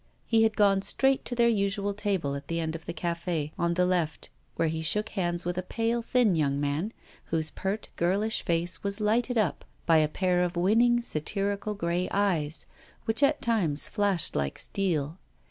He had gone straight to their usual table at the end of the café, on the left, where he shook hands with a pale, thin, young man, whose pert girlish face was lighted up by a pair of winning, satirical grey eyes, which at times flashed like steel.